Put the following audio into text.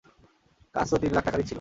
কাজ তো তিন লাখ টাকারই ছিল।